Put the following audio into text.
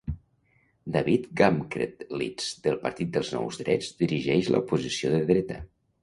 David Gamkrelidze del Partit dels Nous Drets dirigeix la oposició de dreta.